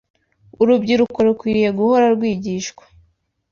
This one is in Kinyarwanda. Urubyiruko rukwiriye guhora rwigishwa